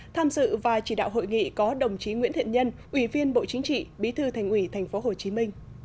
tham dự và chỉ đạo hội nghị có đồng chí nguyễn thiện nhân ủy viên bộ chính trị bí thư thành ủy tp hcm